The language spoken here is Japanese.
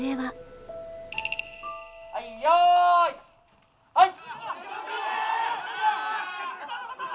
はいよいはい！